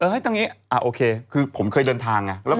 ให้ตั้งนี้คือผมเคยเดินทางนะ